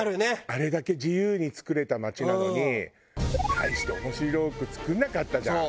あれだけ自由に造れた街なのに大して面白く造んなかったじゃん。